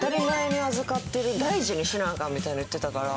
大事にしなアカンみたいなのを言ってたから。